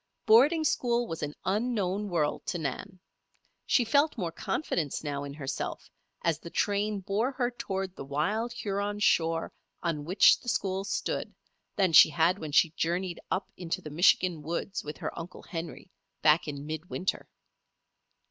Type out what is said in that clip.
Boarding school was an unknown world to Nan. She felt more confidence now in herself, as the train bore her toward the wild Huron shore on which the school stood, than she had when she journeyed up into the Michigan woods with her Uncle Henry, back in mid winter.